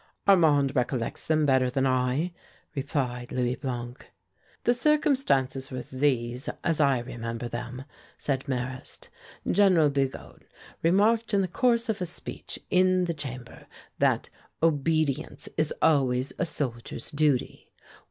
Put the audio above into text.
"Armand recollects them better than I," replied Louis Blanc. "The circumstances were these, as I remember them," said Marrast. "General Bugeaud remarked in the course of a speech in the Chamber that 'obedience is always a soldier's duty.'